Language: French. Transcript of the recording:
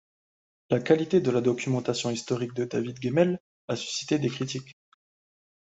La qualité de la documentation historique de David Gemmell a suscité des critiques.